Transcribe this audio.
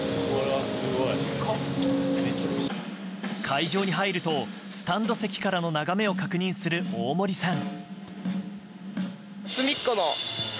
会場に入るとスタンド席からの眺めを確認する大森さん。